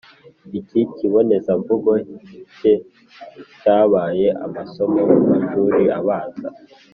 iki kibonezamvugo ke cyabaye ’amasomo mu mashuri abanza